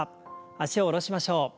脚を下ろしましょう。